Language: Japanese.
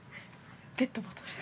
ペットボトル。